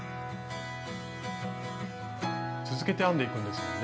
続けて編んでいくんですよね。